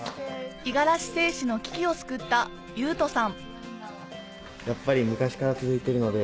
五十嵐製紙の危機を救った優翔さん